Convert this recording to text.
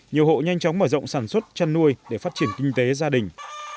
nhiều hộ nhanh chóng mở rộng sản xuất chăn nuôi để phát triển kinh tế gia đình